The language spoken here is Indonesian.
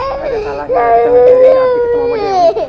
apa ada salahnya ketemu dewi